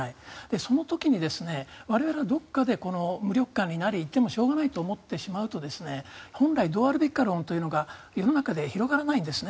その時に、我々はどこかでこの無力感なり言ってもしょうがないと思ってしまうと本来どうあるべきか論というのが世の中で広がらないんですね。